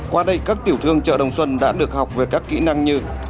qua đây các tiểu thương chợ đồng xuân đã được học về các kỹ năng như